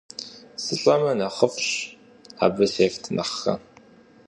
СылӀэмэ нэхъыфӀщ, абы сефт нэхърэ.